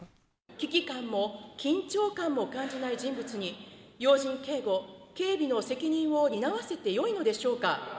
危機感も緊張感も感じない人物に、要人警護、警備の責任を担わせてよいのでしょうか。